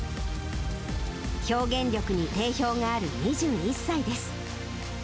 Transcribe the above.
表現力に定評がある２１歳です。